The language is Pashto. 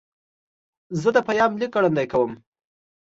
زه د پیام لیکل ګړندي کوم.